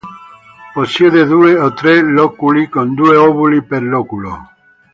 Possiede due o tre loculi, con due ovuli per loculo.